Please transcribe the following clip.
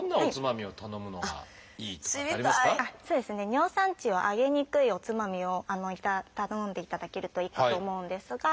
尿酸値を上げにくいおつまみを頼んでいただけるといいかと思うんですが。